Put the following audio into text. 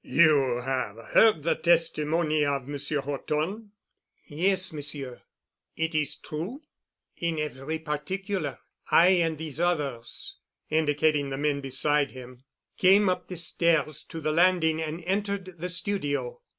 "You have heard the testimony of Monsieur Horton?" "Yes, Monsieur." "It is true?" "In every particular. I and these others," indicating the men beside him, "came up the stairs to the landing and entered the studio."